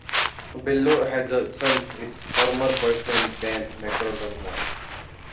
Bello has a son with former boyfriend Dan McDermott.